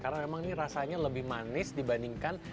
karena memang rasanya lebih manis dibandingkan